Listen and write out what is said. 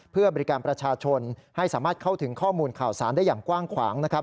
เพื่อบริการประชาชนให้สามารถเข้าถึงข้อมูลข่าวสารได้อย่างกว้างขวางนะครับ